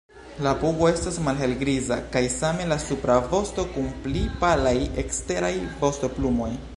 La pugo estas malhelgriza kaj same la supra vosto kun pli palaj eksteraj vostoplumoj.